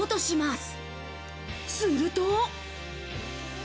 すると。